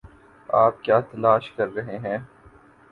آپ کیا تلاش کر رہے ہیں؟